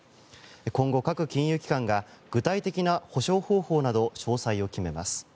今後、各金融機関が具体的な補償方法など詳細を決めます。